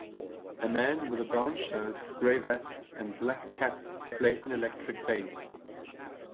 A man with a brown shirt, gray vest and black cap plays an electric bass.